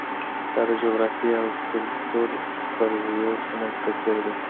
دا د جغرافیې او کلتور فرضیو ترمنځ توپیر دی.